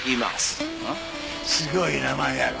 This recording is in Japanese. すごい名前やろ。